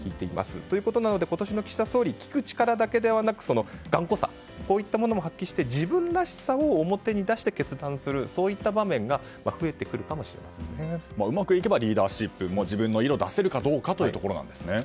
ということで、今年の岸田総理聞く力だけではなくて頑固さ、こういったものも発揮して自分らしさを表に出して決断するそういった場面がうまくいけばリーダーシップ自分の色を出せるかということなんですね。